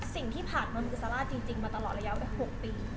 สิ่งที่ผ่านเงินซาร่าจริงมาตลอดระยะว่า๖ปี